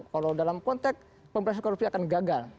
kalau dalam konteks pemberantasan korupsi akan gagal